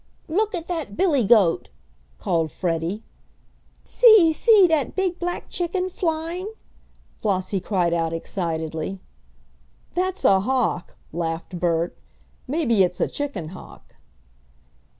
"Look at the billy goat!" called Freddie. "See, see, that big black chicken flying!" Flossie cried out excitedly. "That's a hawk!" laughed Bert; "maybe it's a chicken hawk."